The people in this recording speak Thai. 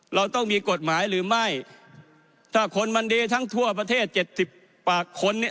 เราต้องมีกฎหมายหรือไม่ถ้าคนมันดีทั้งทั่วประเทศเจ็ดสิบปากคนนี้